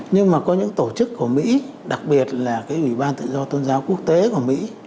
nhưng mà có những tổ chức của mỹ đặc biệt là cái ủy ban tự do tôn giáo quốc tế của mỹ